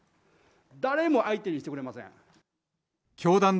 誰も相手にしてくれません。